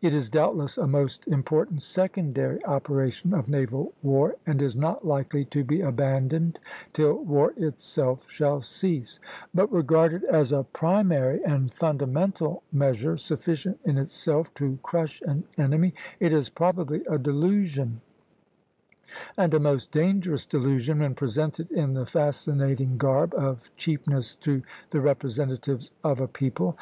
It is doubtless a most important secondary operation of naval war, and is not likely to be abandoned till war itself shall cease; but regarded as a primary and fundamental measure, sufficient in itself to crush an enemy, it is probably a delusion, and a most dangerous delusion, when presented in the fascinating garb of cheapness to the representatives of a people.